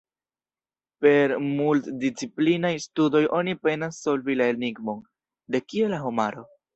Per multdisciplinaj studoj oni penas solvi la enigmon: de kie la homaro?